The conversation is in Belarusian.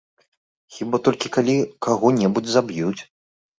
Хіба толькі калі каго-небудзь заб'юць.